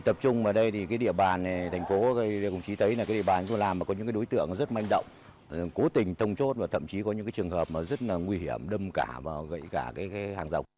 tập trung ở đây thì cái địa bàn này thành phố này đồng chí thấy là cái địa bàn chúng tôi làm có những đối tượng rất manh động cố tình thông chốt và thậm chí có những trường hợp rất nguy hiểm đâm cả và gậy cả hàng rộng